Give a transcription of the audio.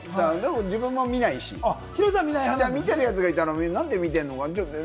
自分もあまり見ないし、見てるやつがいたら、何で見てんのかな？って。